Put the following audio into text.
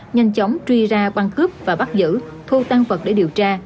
nhanh chóng truy ra băng cướp và bắt giữ thu tăng vật để điều tra